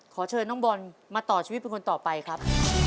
ขอเชิญน้องบอลมาต่อชีวิตเป็นคนต่อไปครับ